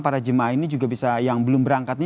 para jemaah ini juga bisa yang belum berangkatnya